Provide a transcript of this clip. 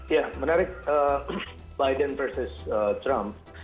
ya menarik biden versus trump